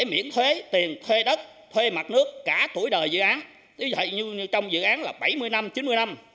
miễn thuế tiền thuê đất thuê mặt nước cả tuổi đời dự án ví dụ như trong dự án là bảy mươi năm chín mươi năm